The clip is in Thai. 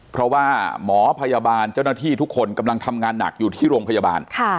เพราะว่าหมอพยาบาลเจ้าหน้าที่ทุกคนกำลังทำงานหนักอยู่ที่โรงพยาบาล